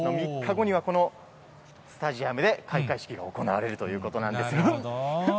３日後にはこのスタジアムで開会式が行われるということなんですよ。